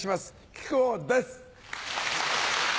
木久扇です。